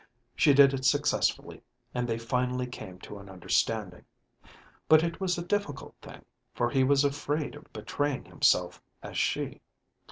She did it successfully, and they finally came to an understanding but it was a difficult thing, for he was as afraid of betraying himself as she.